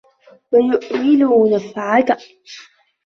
وَيُؤَمِّلُ نَفْعَكَ